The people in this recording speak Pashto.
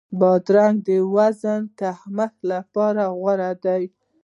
بادرنګ د وزن د کمښت لپاره غوره دی.